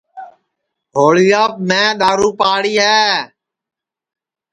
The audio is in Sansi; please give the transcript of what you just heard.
ہوݪِیاپ میں دؔارُو پاڑی ہے